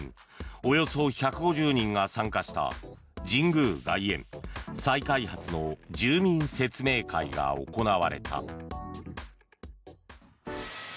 およそ１５０人が参加した神宮外苑再開発の住民説明会が行われた。